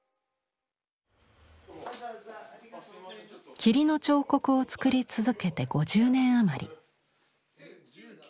「霧の彫刻」を作り続けて５０年余り。